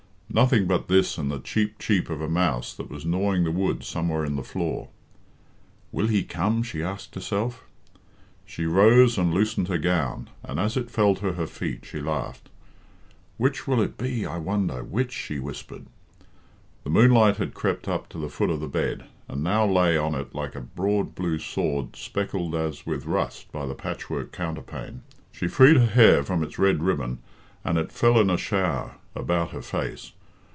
Nothing but this and the cheep cheep of a mouse that was gnawing the wood somewhere in the floor. "Will he come?" she asked herself. She rose and loosened her gown, and as it fell to her feet she laughed. "Which will it be, I wonder which?" she whispered. The moonlight had crept up to the foot of the bed, and now lay on it like a broad blue sword speckled as with rust by the patchwork counterpane. She freed her hair from its red ribbon, and it fell in a shower about her face.